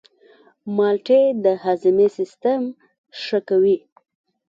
مالټې د هاضمې سیستم ښه کوي.